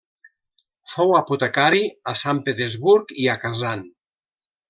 Fou apotecari a Sant Petersburg i a Kazan.